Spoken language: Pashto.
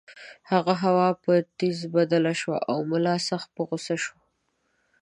هغه هوا په ټیز بدله شوه او ملا سخت په غُصه شو.